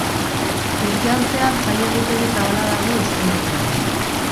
Urtean zehar jai egutegi zabala dago Euskal Herrian.